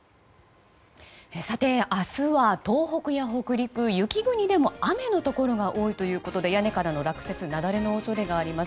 さて、明日は東北や北陸、雪国でも雨のところが多いということで屋根からの落雪なだれの恐れがあります。